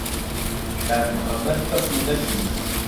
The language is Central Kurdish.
کاک محەممەد کەسی نەبینی.